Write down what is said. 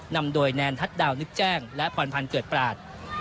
นำโดยแนนทัศน์ดาวนึกแจ้งและพรพันธ์เกิดปราศ